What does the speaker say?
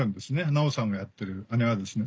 奈緒さんがやってる姉はですね。